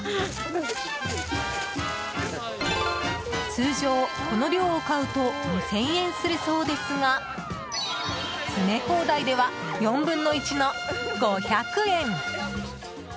通常、この量を買うと２０００円するそうですが詰め放題では４分の１の５００円。